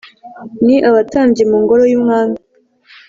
ni Abatambyi mu ngoro y’umwami.